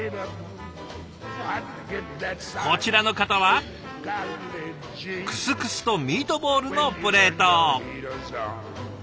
こちらの方はクスクスとミートボールのプレート。